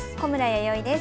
弥生です。